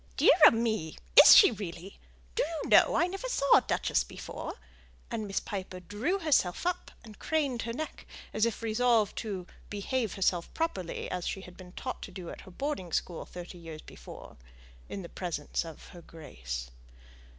"Dear ah me! Is she really! Do you know I never saw a duchess before." And Miss Piper drew herself up and craned her neck, as if resolved to "behave herself properly," as she had been taught to do at boarding school thirty years before, in the presence of "her grace."